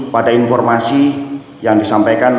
pada informasi yang disampaikan